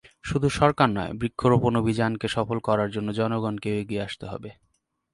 শুধু সরকার নয়, বৃক্ষরোপণ অভিযানকে সফল করার জন্য জনগণকেও এগিয়ে আসতে হবে।